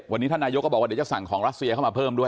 วันนี้ท่านนายกก็บอกว่าเดี๋ยวจะสั่งของรัสเซียเข้ามาเพิ่มด้วย